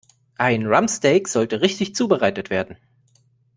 Ein Rumpsteak sollte richtig zubereitet werden.